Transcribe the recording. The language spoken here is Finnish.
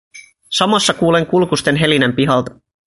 Samassa kuulen kulkusten helinän pihalta.